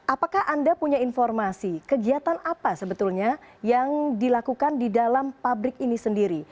apakah anda punya informasi kegiatan apa sebetulnya yang dilakukan di dalam pabrik ini sendiri